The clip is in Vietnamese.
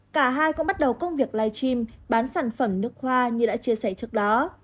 cả hai cũng bắt đầu công việc live stream bán sản phẩm nước hoa như đã chia sẻ trước đó